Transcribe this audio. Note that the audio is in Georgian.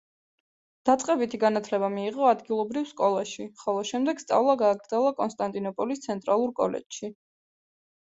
დაწყებითი განათლება მიიღო ადგილობრივ სკოლაში, ხოლო შემდეგ სწავლა გააგრძელა კონსტანტინოპოლის ცენტრალურ კოლეჯში.